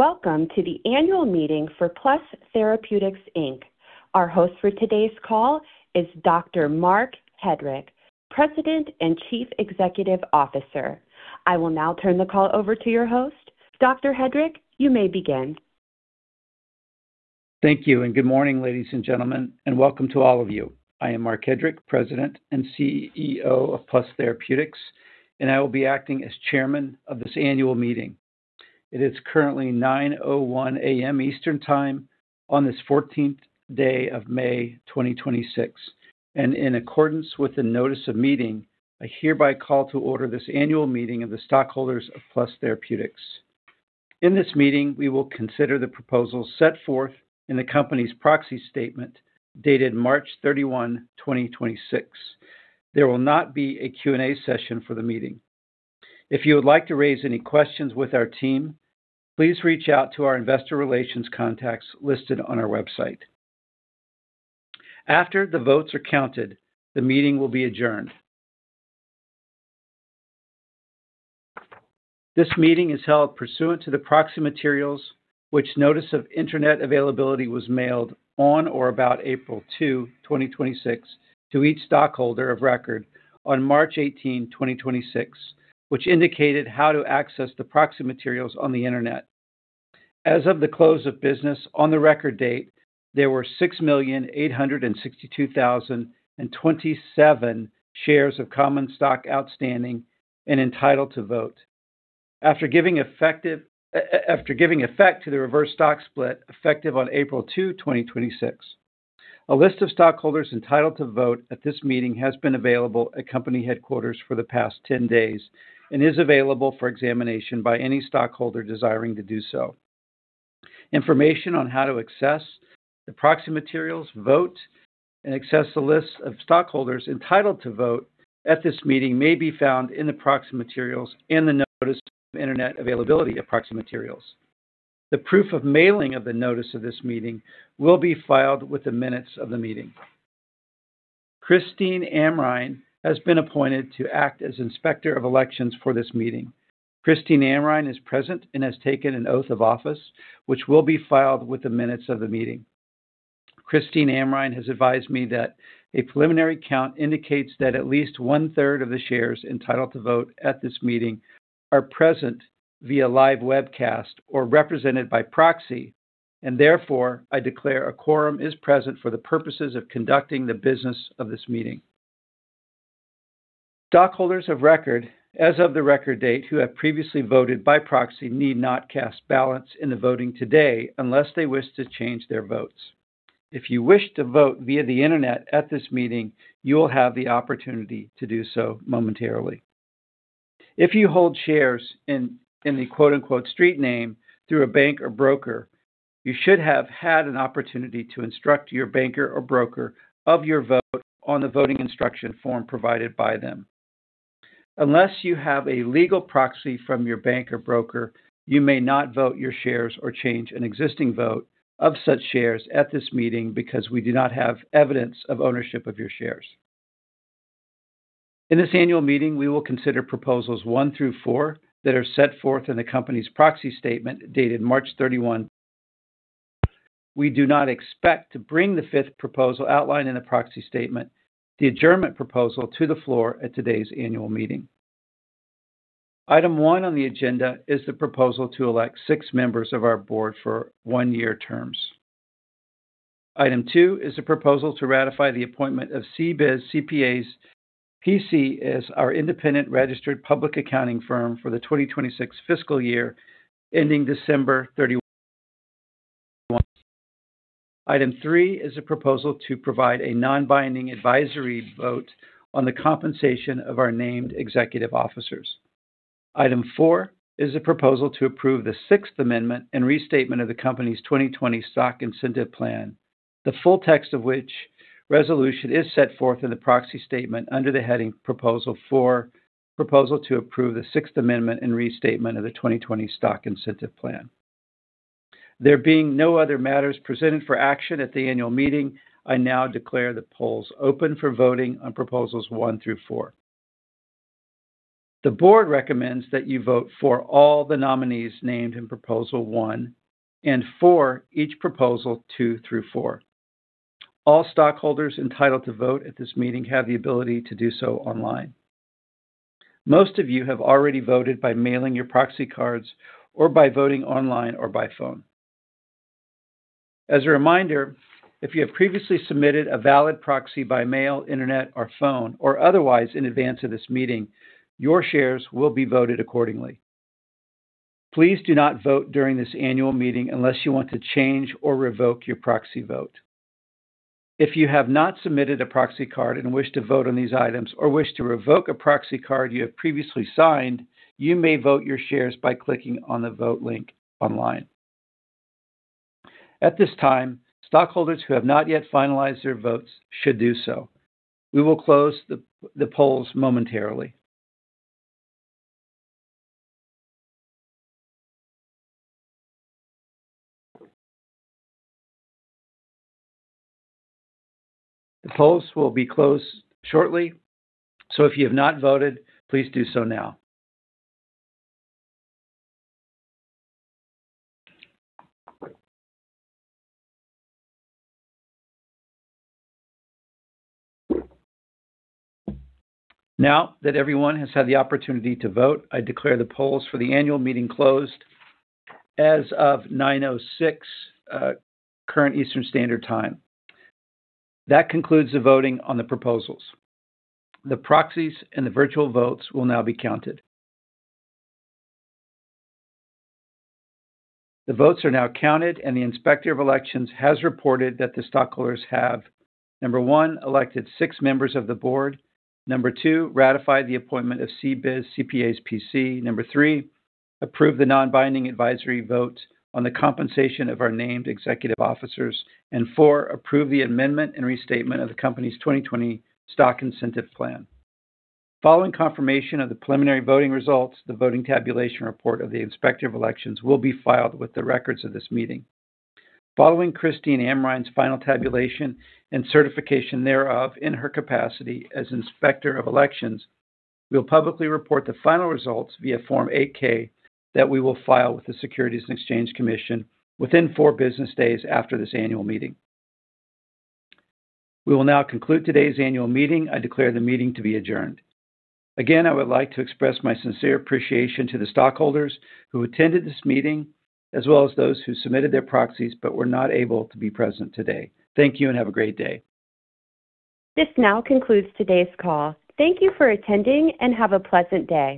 Welcome to the Annual Meeting for Plus Therapeutics, Inc. Our host for today's call is Dr. Marc Hedrick, President and Chief Executive Officer. I will now turn the call over to your host. Dr. Hedrick, you may begin. Thank you, good morning, ladies and gentlemen, and welcome to all of you. I am Marc Hedrick, President and CEO of Plus Therapeutics, and I will be acting as chairman of this Annual Meeting. It is currently 9:01 A.M. Eastern Time on this 14th day of May, 2026, and in accordance with the notice of meeting, I hereby call to order this Annual Meeting of the stockholders of Plus Therapeutics. In this meeting, we will consider the proposals set forth in the company's proxy statement dated March 31, 2026. There will not be a Q&A session for the meeting. If you would like to raise any questions with our team, please reach out to our investor relations contacts listed on our website. After the votes are counted, the meeting will be adjourned. This meeting is held pursuant to the proxy materials which notice of internet availability was mailed on or about April 2, 2026 to each stockholder of record on March 18, 2026, which indicated how to access the proxy materials on the internet. As of the close of business on the record date, there were 6,862,027 shares of common stock outstanding and entitled to vote. After giving effect to the reverse stock split effective on April 2, 2026. A list of stockholders entitled to vote at this meeting has been available at company headquarters for the past 10 days and is available for examination by any stockholder desiring to do so. Information on how to access the proxy materials, votes, and access the list of stockholders entitled to vote at this meeting may be found in the proxy materials and the notice of internet availability of proxy materials. The proof of mailing of the notice of this meeting will be filed with the minutes of the meeting. Christine Amrhein has been appointed to act as Inspector of Elections for this meeting. Christine Amrhein is present and has taken an oath of office, which will be filed with the minutes of the meeting. Christine Amrhein has advised me that a preliminary count indicates that at least one-third of the shares entitled to vote at this meeting are present via live webcast or represented by proxy, and therefore, I declare a quorum is present for the purposes of conducting the business of this meeting. Stockholders of record as of the record date who have previously voted by proxy need not cast ballots in the voting today unless they wish to change their votes. If you wish to vote via the internet at this meeting, you will have the opportunity to do so momentarily. If you hold shares in the quote-unquote street name through a bank or broker, you should have had an opportunity to instruct your banker or broker of your vote on the voting instruction form provided by them. Unless you have a legal proxy from your bank or broker, you may not vote your shares or change an existing vote of such shares at this meeting because we do not have evidence of ownership of your shares. In this Annual Meeting, we will consider Proposals 1 through 4 that are set forth in the company's proxy statement dated March 31. We do not expect to bring the fifth proposal outlined in the proxy statement, the adjournment proposal, to the floor at today's Annual Meeting. Item 1 on the agenda is the proposal to elect six members of our board for one-year terms. Item 2 is a proposal to ratify the appointment of CBIZ CPAs P.C. as our independent registered public accounting firm for the 2026 fiscal year ending December 31. Item 3 is a proposal to provide a non-binding advisory vote on the compensation of our named executive officers. Item 4 is a proposal to approve the sixth amendment and restatement of the company's 2020 Stock Incentive Plan, the full text of which resolution is set forth in the proxy statement under the heading Proposal 4, Proposal to Approve the Sixth Amendment and Restatement of the 2020 Stock Incentive Plan. There being no other matters presented for action at the Annual Meeting, I now declare the polls open for voting on Proposals 1 through 4. The Board recommends that you vote for all the nominees named in Proposal 1 and for each Proposal 2 through 4. All stockholders entitled to vote at this meeting have the ability to do so online. Most of you have already voted by mailing your proxy cards or by voting online or by phone. As a reminder, if you have previously submitted a valid proxy by mail, internet, or phone, or otherwise in advance of this meeting, your shares will be voted accordingly. Please do not vote during this Annual Meeting unless you want to change or revoke your proxy vote. If you have not submitted a proxy card and wish to vote on these items or wish to revoke a proxy card you have previously signed, you may vote your shares by clicking on the vote link online. At this time, stockholders who have not yet finalized their votes should do so. We will close the polls momentarily. The polls will be closed shortly. If you have not voted, please do so now. Now that everyone has had the opportunity to vote, I declare the polls for the Annual Meeting closed as of 9:06 A.M. current Eastern Standard Time. That concludes the voting on the proposals. The proxies and the virtual votes will now be counted. The votes are now counted. The Inspector of Elections has reported that the stockholders have, Number 1, elected six members of the board. Number 2, ratified the appointment of CBIZ CPAs P.C. Number 3, approved the non-binding advisory vote on the compensation of our named executive officers. Four, approved the amendment and restatement of the company's 2020 Stock Incentive Plan. Following confirmation of the preliminary voting results, the voting tabulation report of the Inspector of Elections will be filed with the records of this meeting. Following Christine Amrhein's final tabulation and certification thereof in her capacity as Inspector of Elections, we'll publicly report the final results via Form 8-K that we will file with the Securities and Exchange Commission within four business days after this Annual Meeting. We will now conclude today's Annual Meeting. I declare the meeting to be adjourned. Again, I would like to express my sincere appreciation to the stockholders who attended this meeting, as well as those who submitted their proxies but were not able to be present today. Thank you, and have a great day. This now concludes today's call. Thank you for attending, and have a pleasant day.